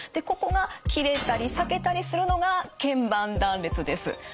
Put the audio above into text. ここが切れたり裂けたりするのが腱板断裂です。